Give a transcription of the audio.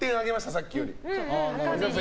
さっきより。